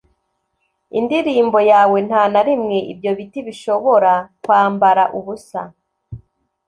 indirimbo yawe, nta na rimwe ibyo biti bishobora kwambara ubusa;